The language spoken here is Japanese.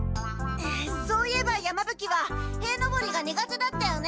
そういえば山ぶ鬼は塀のぼりが苦手だったよね。